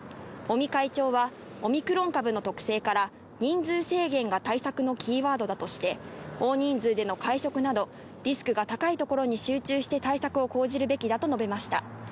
尾身会長はオミクロン株の特性から、人数制限が対策のキーワードだとして、大人数での会食などリスクが高いところに集中して対策を講じるべきだと述べました。